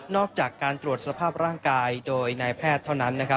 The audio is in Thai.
จากการตรวจสภาพร่างกายโดยนายแพทย์เท่านั้น